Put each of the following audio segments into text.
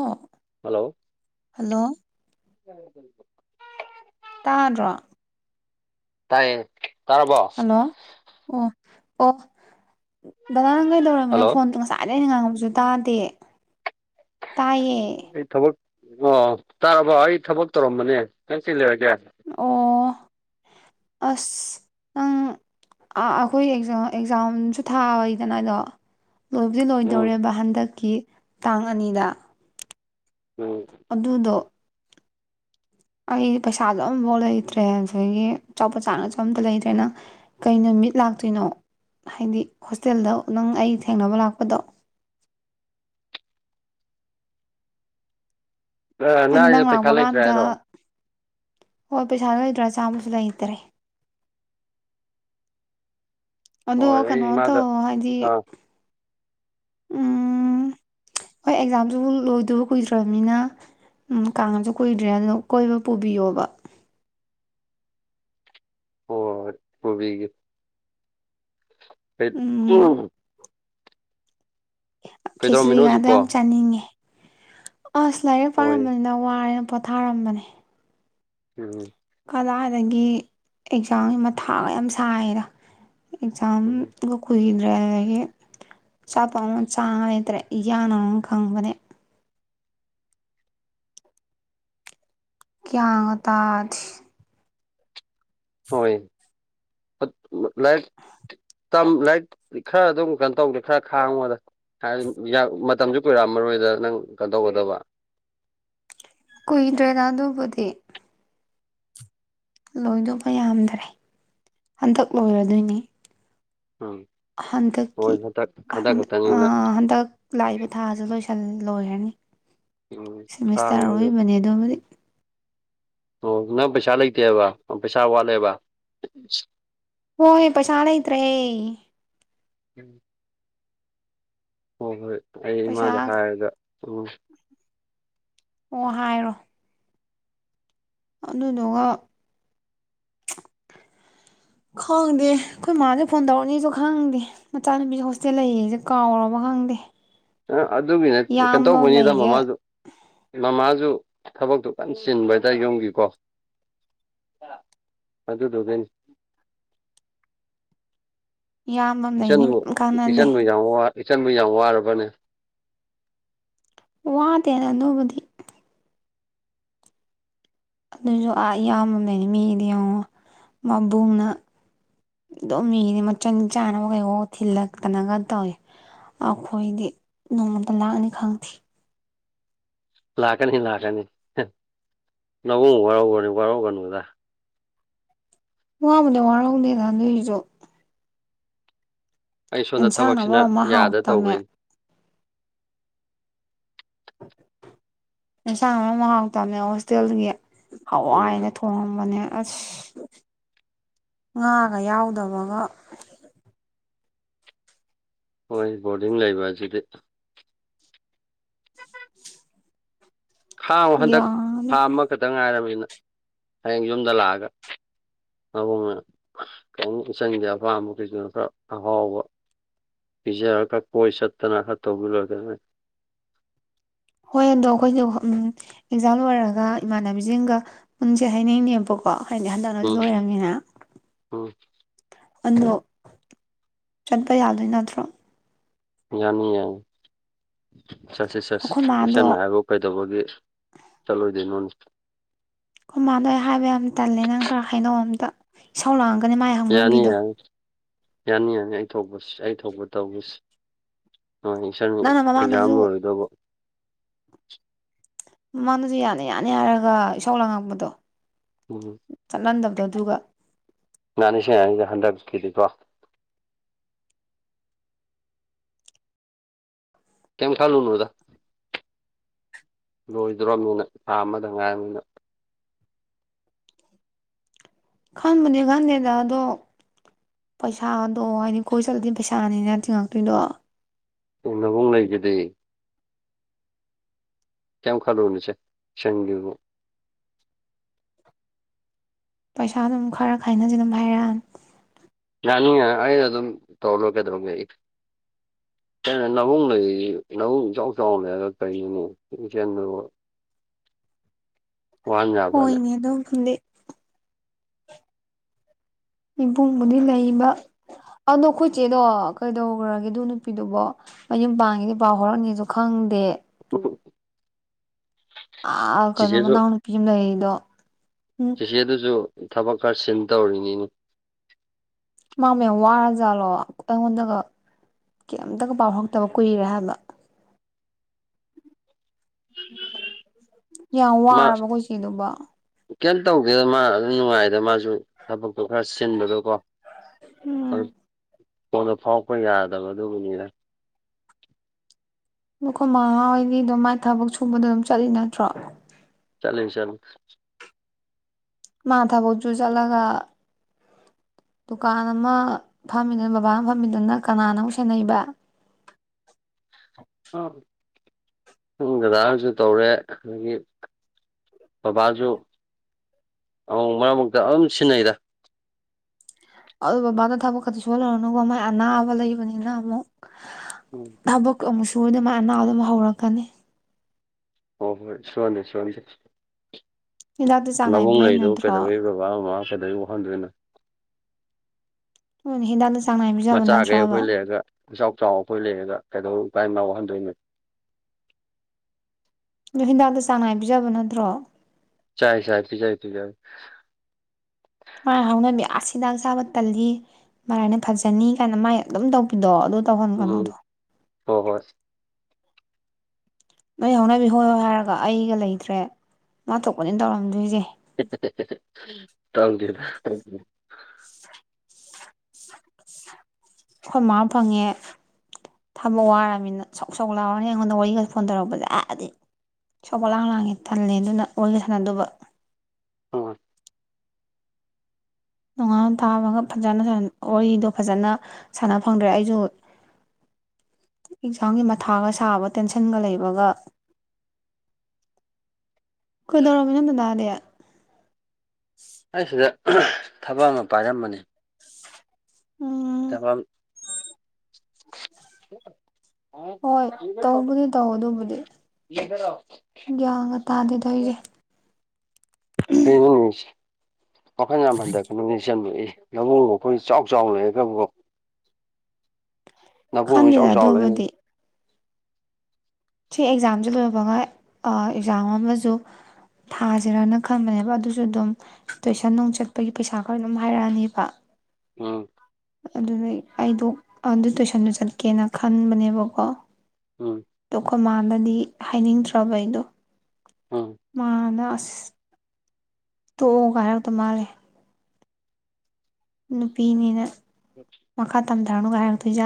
ꯑꯣ ꯍꯜꯂꯣ ꯎꯝ ꯇꯥꯅ꯭ꯔꯣ ꯇꯥꯏꯌꯦ ꯇꯥꯔꯔꯕꯣ ꯍꯜꯂꯣ ꯑꯣ ꯑꯣ ꯑ ꯅꯪ ꯍꯜꯂꯣ ꯀꯩꯗꯧꯔꯝꯃꯤꯅꯣ ꯐꯣꯟꯗꯣ ꯉꯁꯥꯏꯗ ꯑꯩꯅ ꯉꯥꯡꯉꯕꯁꯨ ꯇꯥꯗꯦ ꯇꯥꯏꯌꯦ ꯊꯕꯛ ꯑꯣ ꯇꯥꯔꯕꯣ ꯑꯩ ꯊꯕꯛ ꯇꯧꯔꯝꯕꯅꯦ ꯅꯪꯁꯤ ꯂꯩꯔꯒꯦ ꯑꯣ ꯑꯁ ꯅꯪ ꯑꯩꯈꯣꯏ ꯑꯦꯛꯖꯥꯝꯁꯨ ꯊꯥꯕꯩꯗꯅ ꯑꯗꯣ ꯂꯣꯏꯕꯨꯗꯤ ꯎꯝ ꯂꯣꯏꯗꯧꯔꯦꯕ ꯍꯟꯗꯛꯀꯤ ꯇꯥꯡ ꯑꯅꯤꯗ ꯎꯝ ꯑꯗꯨꯗꯣ ꯑꯩ ꯄꯩꯁꯥꯁꯨ ꯑꯝꯐꯥꯎ ꯂꯩꯇ꯭ꯔꯦ ꯑꯗꯒꯤ ꯆꯥꯎꯄ ꯆꯥꯡꯅꯁꯨ ꯑꯝꯇ ꯂꯩꯇ꯭ꯔꯦ ꯅꯪ ꯀꯩ ꯅꯨꯃꯤꯠ ꯂꯥꯛꯇꯣꯏꯅꯣ ꯍꯥꯏꯗꯤ ꯍꯣꯁꯇꯦꯜꯗ ꯅꯪ ꯑꯩ ꯊꯦꯡꯅꯕ ꯂꯥꯛꯄꯗꯣ ꯑ ꯅ ꯍꯥꯏꯗꯤ ꯅꯪ ꯌꯠꯇ ꯂꯥꯛꯄ ꯀꯥꯟꯗ ꯆꯂ꯭ꯔꯦꯔꯣ ꯍꯣꯏ ꯄꯩꯁꯥ ꯂ ꯂꯩꯇ꯭ꯔꯥ ꯆꯥꯝꯃꯁꯨ ꯂꯩꯇꯔꯦ ꯑꯗꯣ ꯍꯣꯏ ꯀꯩꯅꯣ ꯑꯩ ꯃꯥꯗ ꯇꯧ ꯍꯥꯏꯗꯤ ꯑꯥ ꯎ ꯍꯣꯏ ꯑꯦꯛꯖꯥꯝꯁꯨ ꯂꯣꯏꯗꯕ ꯀꯨꯏꯗ꯭ꯔꯕꯅꯤꯅ ꯀꯥꯡꯉꯁꯨ ꯀꯨꯏꯗ꯭ꯔꯦ ꯑꯗꯨꯅ ꯀꯣꯏꯕ ꯄꯨꯕꯤꯌꯣꯕ ꯑꯣ ꯎꯕꯤꯒꯤ ꯍ ꯎꯝ ꯎ ꯀꯩꯗꯧꯔꯝꯃꯤꯅꯣ ꯈꯦꯆꯔꯤꯒꯥꯗ ꯍꯧꯖꯤꯛꯄꯣ ꯌꯥꯝ ꯆꯥꯅꯤꯡꯉꯦ ꯑꯁ ꯂꯥꯏꯔꯤꯛ ꯍꯣꯏ ꯄꯥꯔꯝꯕꯅꯤꯅ ꯋꯥꯔꯦ ꯄꯣꯊꯥꯔꯝꯕꯅꯦ ꯎꯝ ꯀꯂꯥꯗꯒꯤ ꯑꯦꯛꯖꯥꯝꯁꯤ ꯃ ꯊꯥꯒ ꯌꯥꯝ ꯁꯥꯏꯔ ꯑꯦꯛꯖꯝ ꯎꯝ ꯒ ꯀꯨꯏ ꯑꯗꯨꯗꯒꯤ ꯑꯄ ꯑꯃ ꯆꯥꯇ꯭ꯔꯦ ꯌꯥꯌꯥꯅ ꯑꯃ ꯈꯪꯕꯅꯦ ꯀ꯭ꯌꯥ ꯇꯥꯖ ꯍꯣꯏ ꯂꯥꯏꯔꯤꯛ ꯂꯥꯏꯔꯤꯛ ꯈꯔ ꯑꯗꯨꯝ ꯀꯩꯅꯣ ꯇꯧꯗꯦ ꯈꯔ ꯈꯥꯡꯕꯗ ꯃꯇꯝꯁꯨ ꯀꯨꯏꯔꯛꯑꯝꯃꯔꯣꯏꯗ ꯅꯪ ꯀꯩꯅꯣ ꯇꯧꯒꯗꯕ ꯀꯨꯏꯗ꯭ꯔꯦꯗ ꯑꯗꯨꯕꯨꯗꯤ ꯂꯣꯏꯗꯧꯕ ꯌꯥꯝꯗ꯭ꯔꯦ ꯍꯟꯗꯛ ꯂꯣꯏꯔꯗꯣꯏꯅꯦ ꯎꯝ ꯍꯣꯏ ꯍꯟꯗꯛꯀꯤ ꯍꯟꯗꯛ ꯍꯟꯗꯛ ꯈꯛꯇꯅꯤꯅ ꯍꯟꯗꯛ ꯂꯥꯛꯏꯕ ꯊꯥꯁꯦ ꯂꯣꯏꯁꯤꯜꯂꯦ ꯂꯣꯏꯔꯅꯤ ꯎꯝ ꯈꯥꯡ ꯁꯦꯃꯤꯁꯇꯥꯔ ꯑꯣꯏꯕꯅꯦ ꯑꯗꯣꯗꯤ ꯑꯣ ꯅꯪ ꯄꯩꯁꯥ ꯂꯩꯇꯦꯕ ꯄꯩꯁꯥ ꯋꯥꯠꯂꯦꯕ ꯍꯣꯏ ꯏ ꯄ ꯆꯂ ꯏꯇ꯭ꯔꯦ ꯎꯝ ꯍꯣꯏ ꯍꯣꯏ ꯑꯩ ꯄꯩꯁꯥ ꯏꯃꯗ ꯍꯥꯏꯒ ꯑꯣ ꯑꯣ ꯍꯥꯏꯔꯣ ꯑꯗꯨꯗꯨꯒ ꯈꯪꯗꯦ ꯑꯩꯈꯣꯏ ꯃꯥꯁꯦ ꯐꯣꯟ ꯇꯧꯔꯛꯅꯤꯁꯨ ꯈꯪꯗꯦ ꯃꯆꯥꯅꯨꯄꯤꯁꯦ ꯍꯣꯁꯇꯦꯜ ꯂꯩꯁꯦ ꯀꯥꯎꯔꯕ ꯈꯪꯗꯦ ꯑ ꯑꯗꯨꯒꯤ ꯅꯠꯇ ꯀꯩꯅꯣ ꯏꯌꯥꯝꯕ ꯑꯃ ꯇꯧꯕꯅꯤꯗ ꯂꯩꯔꯤꯁꯦ ꯃꯃꯥꯁꯨ ꯃꯃꯥ ꯨ ꯊꯕꯛꯇꯨ ꯀꯟꯅ ꯆꯤꯟꯕꯗ ꯌꯣꯒꯤꯀꯣ ꯑꯗꯨꯗꯨꯒꯅꯤ ꯏꯌꯥꯝꯕ ꯑꯃ ꯏꯆ ꯂꯩꯔꯤꯅ ꯀꯩꯝ ꯏꯆ ꯀꯥꯟꯅꯗꯦ ꯃꯖꯣ ꯏꯆꯟ ꯃ ꯌꯥꯝ ꯋꯥꯔꯕꯅꯦ ꯋꯥꯗꯦꯅ ꯑꯗꯨꯕꯨꯗꯤ ꯑꯗꯨꯁꯨ ꯑꯥ ꯏꯌꯥꯝꯃꯅꯤꯅꯤ ꯃꯤꯗꯤ ꯌꯦꯡꯉꯣ ꯃꯕꯨꯡꯅ ꯑꯗꯨꯝ ꯃꯤꯗꯤ ꯃꯆꯟ ꯆꯥꯅꯕ ꯀꯩꯀꯥꯎ ꯊꯤꯜꯂꯛꯇꯅꯒ ꯇꯧꯏꯤ ꯑꯩꯈꯣꯏꯗꯤ ꯅꯣꯡꯃꯇ ꯂꯥꯛꯅꯤ ꯈꯪꯗꯦ ꯂꯥꯛꯀꯅꯤ ꯂꯥꯛꯀꯅꯤ ꯅꯪ ꯋꯥꯔꯧꯒꯅꯤ ꯋꯥꯔꯧꯒꯅꯨꯗ ꯄꯃꯅꯦꯦ ꯋꯥꯔꯒꯗꯤ ꯅꯅꯇꯣ ꯑꯩ ꯁꯣꯝꯗ ꯊꯕꯛꯁꯤꯅ ꯃꯔꯣꯟ ꯑꯃ ꯌꯥꯗ ꯍꯥꯎꯇꯝꯅꯦ ꯇꯧꯕꯩꯅꯤ ꯑꯦꯟꯁꯥꯡ ꯑꯃ ꯃꯍꯥꯎ ꯇꯝꯃꯦ ꯍꯣꯁꯇꯦꯜꯒꯤ ꯎꯝ ꯑꯥꯎꯏꯩꯅ ꯊꯣꯡꯉ ꯅꯦ ꯑꯁ ꯉꯥꯒ ꯌꯥꯎꯗꯕꯒ ꯍꯣꯏ ꯕꯣꯔꯗꯤꯡ ꯂꯩꯕ ꯑꯁꯤꯗꯤ ꯈꯥꯡꯉꯣ ꯍꯟꯗꯛ ꯌꯥꯗꯦ ꯊꯥ ꯑꯃꯈꯠꯇ ꯉꯥꯏꯔꯕꯅꯤ ꯅ ꯍꯌꯦꯡ ꯌꯨꯝꯗ ꯂꯥꯛꯑꯒ ꯃꯕꯨꯡꯅ ꯑꯁ ꯀꯩꯝ ꯏꯆꯟꯒꯤ ꯑꯄꯥꯝꯕꯖꯤꯡꯒꯤꯗꯃꯛꯇ ꯑꯍꯥꯎꯕ ꯄꯤꯖꯔꯒ ꯈꯔ ꯀꯣꯢ ꯆꯠꯇꯅ ꯈꯔ ꯇꯧꯔꯂꯣꯏꯔꯦ ꯀꯩꯅꯣ ꯍꯣꯏ ꯑꯗꯣ ꯑꯩꯈꯣꯏꯖꯦ ꯎꯝ ꯑꯦꯛꯖꯥꯝ ꯂꯣꯏꯔꯒ ꯏꯃꯥꯟꯅꯕꯤꯖꯤꯡꯒ ꯄꯨꯟꯁꯦ ꯍꯥꯏꯅꯩꯅꯦꯕꯀꯣ ꯍꯗꯤ ꯍꯟꯗꯛꯅꯁꯨ ꯎꯝ ꯂꯣꯏꯔꯕꯅꯤꯅ ꯎꯝ ꯑꯗꯣ ꯆꯠꯄ ꯌꯥꯗꯣꯏ ꯅꯠꯇ꯭ꯔꯣ ꯌꯥꯅꯤ ꯌꯥꯅꯤ ꯆꯠꯁꯦ ꯆꯠꯁꯦ ꯑꯩꯈꯣꯏ ꯃꯥꯗꯣ ꯏꯆꯟꯅ ꯑꯩꯈꯣꯏ ꯍꯥꯏꯕꯕꯨ ꯀꯩꯗꯧꯕꯒꯤ ꯆꯠꯂꯣꯏꯗꯨꯏꯅꯣꯅꯦ ꯑꯩꯈꯣꯢ ꯃꯥꯗꯣ ꯑꯩ ꯍꯥꯏꯕ ꯌꯥꯝ ꯇꯜꯂꯦ ꯅꯪ ꯈꯔ ꯍꯥꯏꯅꯧ ꯑꯃꯠꯇ ꯏꯁꯧ ꯂꯥꯡ ꯅꯤ ꯃꯥꯏ ꯌꯥꯅꯤ ꯍꯧꯅꯕꯤꯗꯣ ꯌꯥꯅꯤ ꯌꯥꯅꯤ ꯌꯥꯅꯤ ꯑꯩ ꯊꯣꯛꯄꯁꯦ ꯑꯩ ꯊꯣꯛꯄ ꯇꯧꯒꯦꯁꯦ ꯍꯣꯏꯅꯦ ꯏꯆꯟꯒꯤ ꯅꯪꯅ ꯑꯦꯛꯖꯥꯝ ꯃꯃꯥꯡꯗꯁꯨ ꯂꯣꯏꯔꯗꯕꯨ [inaudible] ꯃꯃꯥꯡꯗꯖꯨ ꯌꯥꯅꯤ ꯌꯥꯅꯤ ꯍꯥꯏꯔꯒ ꯏꯁꯥꯎ ꯂꯥꯡꯉꯝꯕꯗꯣ ꯎꯝ ꯆꯠꯂꯟꯗꯕꯗꯣ ꯑꯗꯨꯒ ꯌꯥꯅꯤꯁꯦ ꯌꯅꯤꯁꯦ ꯍꯟꯗꯛꯀꯤꯗꯤꯀꯣ ꯀꯦꯝ ꯈꯜꯂꯨꯅꯨꯗ ꯂꯣꯏꯗ꯭ꯔꯣꯝꯅꯤꯅ ꯊꯥ ꯑꯃꯗ ꯉꯥꯏꯔꯝꯅꯤꯅ ꯈꯟꯕꯨꯗꯤ ꯈꯟꯗꯦꯗ ꯑꯗꯣ ꯄꯩꯁꯥꯗꯣ ꯍꯥꯏꯗꯤ ꯀꯣꯏ ꯆꯠꯂꯗꯤ ꯄꯩꯁꯥꯅꯤꯅ ꯇꯤꯡꯉꯛꯇꯣꯏꯗꯣ ꯅꯕꯨꯡ ꯂꯩꯖꯤꯗꯤ ꯀꯩꯝ ꯈꯜꯂꯨꯅꯨꯁꯦ ꯏꯆꯟꯒꯤꯕꯨ ꯄꯩꯁꯥꯗꯨꯝ ꯈꯔ ꯈꯥꯏꯅꯖꯤꯗꯨꯝ ꯍꯥꯏꯔꯛꯑꯅꯤ ꯌꯥꯅꯤꯌꯦ ꯑꯩ ꯑꯗꯨꯝ ꯇꯧꯔ ꯂꯣꯢꯔꯦ ꯀꯩꯗꯧꯔꯒꯦ ꯀꯩꯅꯣ ꯅꯕꯨꯡ ꯂꯩꯔꯤꯖꯤꯗꯤ ꯅꯕꯨꯡ ꯏꯆꯥꯎ ꯆꯥꯎꯅ ꯂꯩꯔ ꯀꯔꯤꯒꯤꯅꯣ ꯏꯆꯦꯜꯗꯕꯨ ꯍꯣꯏꯅꯦ ꯑꯗꯨꯐꯨꯗꯤ ꯏꯕꯨꯡꯕꯨꯗꯤ ꯂꯩꯕ ꯑꯗꯣ ꯈꯣꯢꯆꯦꯗꯣ ꯀꯩꯗꯧꯒ꯭ꯔꯒꯦ ꯑꯗꯨ ꯅꯨꯄꯤꯗꯨꯕꯨ ꯃꯌꯨꯝ ꯄꯥꯟꯒꯤꯕꯗꯩ ꯄꯥꯎ ꯐꯥꯎꯔꯛꯅꯤꯖꯨ ꯈꯪꯗꯦ [inaudible] ꯑꯥ ꯀꯩꯅꯣ ꯃꯅꯥꯎꯅꯨꯄꯤ ꯑꯃ ꯂꯩꯔꯤꯗꯣ ꯎꯝ ꯆꯤꯆꯦꯗꯨꯖꯨ ꯊꯕꯛ ꯈꯔ ꯆꯤꯟ ꯇꯧꯔꯤꯅꯤꯅꯦ ꯃꯥꯕꯨ ꯌꯥꯝ ꯋꯥꯔ ꯖꯥꯠꯂꯣ ꯑꯩꯉꯣꯟꯗꯒ ꯀꯩꯝꯇꯒ ꯄꯥꯎ ꯐꯥꯎꯔꯛꯇꯕ ꯀꯨꯏꯔꯦ ꯍꯥꯏꯕ [inaudible] ꯌꯥꯝ ꯃꯥ ꯋꯥꯔꯕ ꯑꯩꯈꯣꯏ ꯆꯦꯗꯨꯕꯣ ꯀꯩꯝ ꯇꯧꯗꯦꯗ ꯃꯥ ꯑꯗꯨꯝ ꯅꯨꯡꯉꯥꯏꯗ ꯃꯥꯖꯨ ꯊꯕꯛꯇꯨ ꯈꯔ ꯁꯤꯟꯕꯗꯣ ꯀꯣ ꯎꯝ ꯐꯣꯟꯗꯣ ꯐꯥꯎꯔꯛꯄ ꯌꯥꯗꯕ ꯑꯗꯨꯒꯤꯅꯤꯗ ꯑꯈꯣꯏꯃꯥꯍꯣꯏꯗꯤ ꯑꯗꯨꯝ ꯃ ꯊꯕꯛ ꯁꯨꯕꯗꯨ ꯑꯗꯨꯝ ꯆꯠꯂꯤ ꯅꯠꯇ꯭ꯔꯣ ꯆꯠꯂꯤ ꯆꯠꯂꯤ ꯃꯥ ꯊꯕꯛꯁꯨꯨ ꯆꯠꯂꯒ ꯗꯨꯀꯥꯟ ꯑꯃ ꯐꯝꯃꯤꯗꯨꯅ ꯕꯕꯥꯅ ꯐꯝꯃꯤꯗꯨꯅ ꯀꯅꯥꯅ ꯑꯃꯨꯛ ꯁꯦꯟꯅꯩꯕ ꯇꯥꯕ꯭ꯔꯣ ꯨꯗꯗꯥ ꯅꯁꯨ ꯇꯧꯔꯦ ꯑꯗꯒꯤ ꯕꯕꯥꯁꯨ ꯑꯃꯨꯛ ꯃꯔꯛ ꯃꯔꯛꯇ ꯑꯗꯨꯝ ꯁꯤꯟꯅꯩꯗ ꯑꯗꯨ ꯕꯕꯥꯗ ꯊꯕꯛ ꯀꯗꯤ ꯁꯨꯍꯟꯂꯨꯔꯅꯨꯀꯣ ꯃꯥꯏ ꯑꯅꯥꯕ ꯂꯩꯕꯅꯤꯅ ꯑꯃꯨꯛ [unintelligible] ꯑꯃꯨꯁꯨ ꯃꯥꯢ ꯑꯅꯕꯗꯣ ꯑꯃꯨꯛ ꯍꯧꯔꯛꯀꯅꯤ ꯍꯣ ꯍꯣꯏ ꯁꯨꯍꯟꯗꯦ ꯁꯨꯍꯥꯟꯗꯦ ꯍꯤꯗꯥꯛꯇꯤ ꯆꯥꯡ ꯅꯥꯏꯅ ꯃꯕꯨꯡ ꯄꯤꯖꯩ ꯂꯩꯗꯣ ꯅꯠꯇ꯭ꯔꯣ ꯀꯩꯗꯧꯋꯤ ꯕꯕꯥ ꯃꯃꯥ ꯀꯩꯗꯨꯏ ꯋꯥꯍꯟꯗꯣꯏꯅꯣ ꯎ ꯍꯤꯗꯥꯛ ꯃꯆꯥꯈꯩ ꯑꯩꯈꯣꯏ ꯂꯩꯔꯒ ꯏꯆꯥꯎ ꯆꯥꯎ ꯑꯩꯈꯣꯏ ꯂꯩꯔꯒ ꯀꯩꯗꯧ ꯏꯄꯥ ꯏꯃꯥ ꯋꯍꯟꯗꯣꯏꯅꯣ ꯑꯗꯣ ꯍꯤꯗꯥꯛꯇ ꯆꯥꯡ ꯅꯥꯏ ꯄꯤꯖꯕ ꯅꯠꯇ꯭ꯔꯣ ꯆꯥꯏ ꯆꯥ ꯄꯤꯖꯩ ꯄꯤꯖꯩ ꯃꯥꯥꯏ ꯍꯧꯅꯕꯤ ꯑꯏ ꯍꯤꯗꯥꯛ ꯆꯥꯕ ꯇꯜꯂꯤ ꯃꯔꯥꯏꯅ ꯐꯖꯅꯤ ꯀꯥꯏꯅ ꯃꯥꯏ ꯑꯗꯨꯝ ꯇꯧꯕꯤꯗꯣ ꯑꯗꯣ ꯎꯝ ꯍꯣꯏ ꯍꯣꯏ ꯅꯣꯏ ꯍꯧꯅꯕꯤ ꯍꯣꯏꯍꯣꯏ ꯍꯥꯏꯔꯒ ꯑꯩꯒ ꯂꯩꯇ꯭ꯔꯦ ꯃꯥꯏꯊꯣꯛꯄꯅꯤ ꯇꯧꯔꯝꯗꯣꯏꯁꯦ [unintelligible] ꯇꯧꯗꯦ ꯈꯣꯏ ꯃꯥ ꯐꯪꯉꯦ ꯊꯕꯛ ꯋꯥꯔꯝꯅꯤꯅ ꯁꯧ ꯁꯧ ꯂꯥꯎꯔꯅꯤ ꯑꯩꯉꯣꯟꯗ ꯋꯥꯔꯤꯒ ꯐꯣꯟ ꯇꯧꯔꯛꯄꯖꯦ ꯏꯁꯧ ꯄꯪꯂꯥꯡ ꯂꯥꯡꯌꯦ ꯇꯜꯂꯦ ꯑꯗꯨꯅ ꯋꯥꯔꯤꯒ ꯁꯥꯟꯅꯗꯧꯕ [unintelligible] ꯅꯣꯉꯥꯜ ꯇꯥꯕꯒ ꯐꯖꯅ ꯋꯥꯔꯤꯗꯣ ꯐꯖꯅ ꯁꯥꯟꯅ ꯐꯪꯗ꯭ꯔꯦ ꯑꯩꯁꯨ ꯑꯦꯛꯖꯥꯝꯒꯤ ꯃꯊꯥꯒ ꯁꯥꯕ ꯇꯦꯟꯁꯟꯒ ꯂꯩꯕꯒ ꯀꯩꯗꯧꯔꯝꯃꯤꯅꯣ ꯗꯗꯥꯗꯤ ꯑꯩꯁꯤꯗ ꯊꯕꯛ ꯑꯃ ꯄꯥꯏꯔꯝꯕꯅꯤ ꯎꯝ ꯇꯕꯝ ꯍꯣꯏ ꯇꯧꯕꯗꯤ ꯇꯧ ꯑꯗꯨꯕꯨꯗꯤ ꯒꯤꯌꯥꯟꯒ ꯇꯥꯗꯦꯗ ꯇꯩꯖꯦ [unintelligible] ꯋꯥꯈꯜ ꯌꯥꯝ ꯍꯟꯗꯒꯤꯅꯨꯅꯦ ꯏꯆꯟꯕꯨ ꯏ ꯅꯕꯨꯡ ꯑꯩꯈꯣꯏ ꯏꯆꯥꯎ ꯆꯥꯎ ꯂꯩꯒꯕꯨ ꯈꯟꯗꯦꯗ ꯂꯩꯔꯝꯃꯤ ꯑꯗꯨꯕꯨꯗꯤ ꯁꯤ ꯑꯦꯛꯖꯥꯝꯁꯦ ꯂꯣꯏꯕꯒ ꯑꯥ ꯑꯦꯛꯖꯥꯝ ꯑꯃꯁꯨ ꯊꯥꯁꯤꯔꯅ ꯈꯟꯕꯅꯦꯕ ꯑꯗꯨꯁꯨ ꯑꯗꯨꯝ ꯇꯨꯏꯁꯟ ꯅꯨꯡ ꯆꯠꯄꯒꯤ ꯄꯩꯁꯥ ꯈꯔ ꯑꯗꯨꯝ ꯍꯥꯏꯔꯛꯑꯅꯦꯕ ꯎꯝ ꯑꯗꯨꯗ ꯑꯩꯗꯣ ꯑꯗꯨ ꯇꯨꯏꯁꯟꯗ ꯆꯠꯀꯦꯅ ꯈꯟꯕꯅꯦꯕꯀꯣ ꯎꯝ ꯇꯣ ꯈꯣꯏ ꯃꯅꯗꯤ ꯍꯥꯏꯅꯤꯡꯗ꯭ꯔꯕ ꯑꯩꯗꯣ ꯎꯝ ꯃꯥꯅ ꯑꯁ ꯇꯣꯛꯑꯣꯒꯥꯏ ꯍꯥꯏꯔꯛꯇꯧ ꯃꯥꯜꯂꯦ ꯅꯨꯄꯤꯅꯤꯅ ꯃꯈꯥ ꯇꯝꯊ ꯀꯔꯨ ꯀ ꯍꯥꯏꯔ ꯇꯖꯦ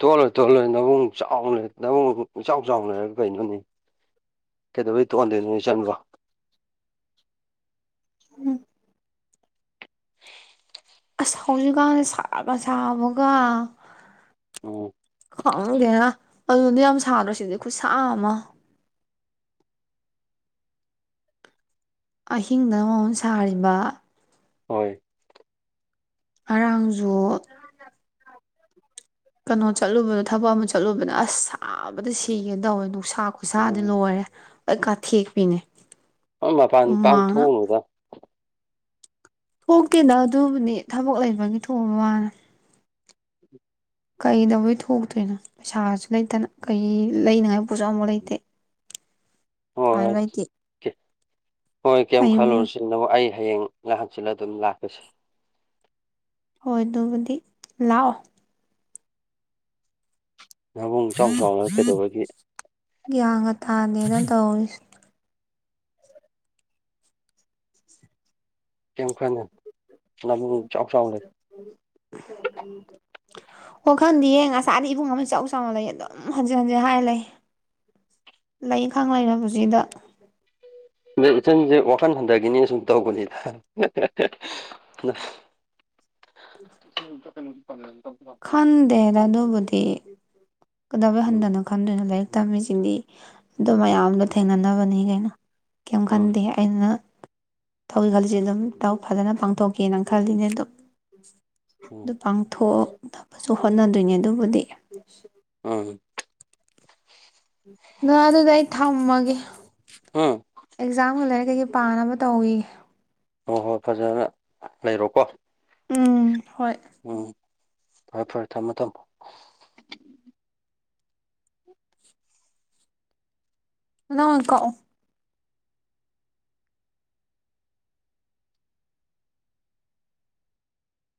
ꯇꯣꯜꯂꯣꯏ ꯇꯣꯜꯂꯣꯏ ꯅꯨꯡ ꯆꯥꯎꯅ ꯅꯕꯨꯡ ꯏꯆꯥꯎ ꯆꯥꯎꯅꯔꯒ ꯀꯩꯅꯣꯅꯦ ꯀꯩꯗꯧꯕꯩ ꯇꯣꯟꯗꯣꯏꯅꯣꯅꯦ ꯆꯟꯕ ꯎꯝ ꯍꯧꯖꯤꯛꯀꯥꯟꯗ ꯁꯥꯠꯂ ꯁꯥꯕꯒ ꯎꯝ ꯈꯃꯗꯦꯅ ꯑꯗꯨꯗꯤ ꯌꯥꯝ ꯁꯥꯗ꯭ꯔꯁꯤꯗꯤ ꯈꯨꯠꯁꯥ ꯑꯃ ꯑꯍꯤꯡꯗ ꯃꯃꯟ ꯁꯥꯔꯤꯕ ꯍꯣꯏ ꯑꯔꯥꯡꯖꯣꯛ ꯀꯩꯅꯣ ꯆꯠꯂꯨꯕꯗ ꯊꯕꯛ ꯑꯃ ꯆꯠꯂꯨꯕꯅ ꯑꯁ ꯁꯥꯕꯗ ꯁꯤꯒꯦꯅ ꯇꯧꯋꯦ ꯎꯁꯥ ꯈꯨꯠꯁꯥꯗꯨ ꯎꯝ ꯂꯣꯏꯔꯦ ꯑꯩ ꯀꯥꯊꯦꯛꯄꯤꯅꯦ ꯃꯄꯥꯟ ꯍꯨꯃꯥꯡꯅ ꯄꯥꯡꯊꯣꯛꯎꯅꯨꯗ ꯊꯣꯛꯇꯦꯅ ꯑꯗꯨꯕꯨꯅꯤ ꯊꯕꯛ ꯂꯩꯕꯒꯤ ꯊꯣꯡꯕ ꯋꯥꯂꯦ ꯀꯩꯗꯕꯨꯣꯏ ꯊꯣꯛꯇꯣꯏꯅꯣ ꯄꯩꯁꯥꯁꯨ ꯂꯩꯇꯅ ꯀꯩ ꯂꯩꯅꯉꯥꯏ ꯄꯣꯠꯁꯨ ꯑꯐꯛ ꯂꯩꯇꯦ ꯄꯩꯁꯥꯁꯨ ꯍꯣꯏ ꯂꯩꯇꯦ ꯍꯣꯏ ꯀꯝ ꯀꯩꯕꯨ ꯈꯜꯂꯣꯁꯤ ꯅ ꯑ ꯍꯌꯦꯡ ꯅꯍꯥꯟꯁꯤꯜꯂ ꯑꯗꯨꯝ ꯂꯥꯛꯄꯁꯤꯦ ꯍꯕꯨꯗꯤ ꯂꯥꯛꯑꯣ ꯉꯥꯕꯨꯡ ꯆꯥꯎ ꯆꯥꯎꯅ ꯀꯩꯗꯧꯕꯒꯤ ꯀꯩꯅ ꯇ ꯀꯩꯝ [unintelligible] ꯈꯟꯅꯨ ꯅꯕꯨꯡ ꯏꯆꯥꯎ ꯆꯥꯎ ꯂꯩ ꯑꯣ ꯈꯪꯗꯦꯌꯦ ꯉꯁꯥꯗꯤ ꯏꯕꯨꯡ ꯑꯃ ꯏ ꯆꯥꯎ ꯆꯥꯎꯅ ꯂꯩ ꯑꯗꯨꯝ ꯍꯟꯖꯤꯟ ꯍꯟꯖꯤꯟ ꯍꯥꯏꯔ ꯂꯩ ꯂꯩ ꯈꯪ ꯂꯩꯅ ꯄꯨꯁꯤꯗ ꯑꯗ ꯏꯆꯟꯁꯦ ꯋꯥꯈꯜ ꯍꯟꯊꯒꯤꯅꯤ ꯁꯨꯝ ꯇꯧꯕꯅꯤꯗ ꯎꯝ ꯎꯝ ꯈꯟꯗꯦ ꯔ ꯑꯗꯨꯕꯨꯗꯤ ꯀꯗꯕ ꯎꯝ ꯍꯟꯗꯅ ꯈꯟꯗꯅ ꯂꯩ ꯂꯥꯏꯔꯤꯛ ꯇꯝꯃꯤꯁꯤꯡꯗꯤ ꯑꯗꯨ ꯃꯌꯥꯝꯗꯣ ꯊꯦꯡꯅꯅꯕꯅꯤ ꯀꯩꯅꯣ ꯀꯩꯝ ꯎꯝ ꯈꯟꯗꯦ ꯑꯩꯅ ꯊꯧꯏ ꯈꯜꯁꯦ ꯑꯗꯨꯝ ꯐꯖꯅ ꯄꯥꯡꯊꯣꯛꯀꯦꯅ ꯈꯜꯂꯤꯅꯦ ꯑꯗꯨꯝ ꯑꯗꯨ ꯎꯝ ꯄꯥꯡꯊꯣꯛ ꯑꯗꯨ ꯍꯣꯠꯅꯗꯣꯏꯅꯦ ꯑꯗꯨꯕꯨꯗꯤ ꯎꯝ ꯅ ꯑꯗꯨꯥꯏ ꯊꯝꯃꯒ ꯎꯝ ꯑꯦꯛꯖꯥꯝꯒ ꯂꯩꯔꯦ ꯀꯩꯀꯩ ꯄꯥꯅꯕ ꯇꯧꯏ ꯍꯣꯏ ꯍꯣꯏ ꯐꯖꯅ ꯂꯩꯔꯣꯀꯣ ꯎꯝ ꯍꯣꯏ ꯎꯝ ꯐꯔꯦ ꯐꯔꯦ ꯊꯝꯃꯣ ꯊꯝꯃꯣ ꯑꯅꯥ ꯀꯣꯑꯣ